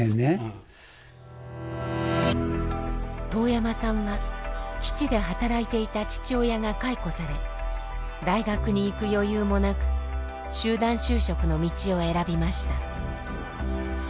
當山さんは基地で働いていた父親が解雇され大学に行く余裕もなく集団就職の道を選びました。